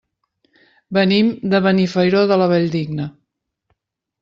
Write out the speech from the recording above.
Venim de Benifairó de la Valldigna.